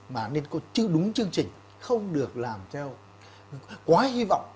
mà nên có chưa đúng chương trình không được làm theo quá hy vọng